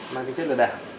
mang tính chất lợi đảm